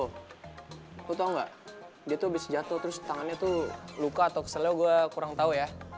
lo tau gak dia tuh abis jatuh terus tangannya tuh luka atau keselnya gue kurang tau ya